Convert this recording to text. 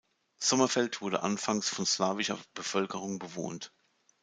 Sommerfeld wurde anfangs von slawischer Bevölkerung bewohnt.